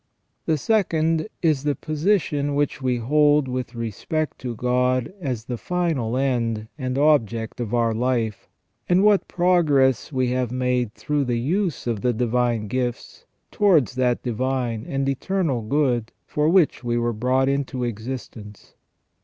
The second is the position which we hold with respect to God as the final end and object of our life, and what progress we have made through the use of the divine gifts towards that divine and eternal good for which we were brought into existence.